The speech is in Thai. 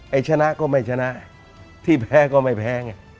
ชนะก็ไม่ชนะที่แพ้ก็ไม่แพ้ไง